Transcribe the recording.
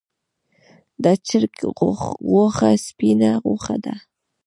د چرګ غوښه سپینه غوښه ده